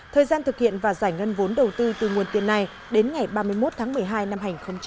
thời gian thực hiện và giải ngân vốn đầu tư từ nguồn tiền này đến ngày ba mươi một tháng một mươi hai năm hai nghìn hai mươi